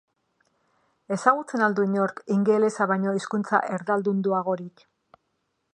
Ezagutzen al du inork ingelesa baino hizkuntza erdaldunduagorik?